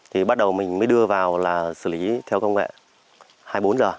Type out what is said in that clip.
thì bắt đầu mình mới đưa vào là xử lý theo công nghệ hai mươi bốn h